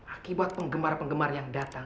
akibat penggemar penggemar yang datang